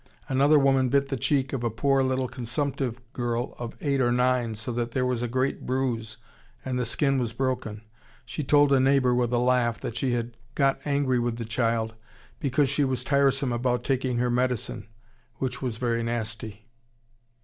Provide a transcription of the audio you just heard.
Another woman bit the cheek of a poor little consumptive girl of eight or nine so that there was a great bruise and the skin was broken. She told a neighbor, with a laugh, that she had got angry with the child because she was tiresome about taking her medicine, which was very nasty.